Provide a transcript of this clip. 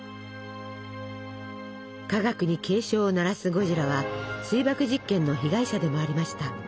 科学に警鐘を鳴らすゴジラは水爆実験の被害者でもありました。